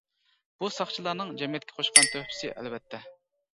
بۇ ساقچىلارنىڭ جەمئىيەتكە قوشقان تۆھپىسى ئەلۋەتتە!